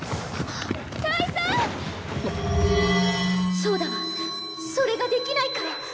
そうだわそれができないから。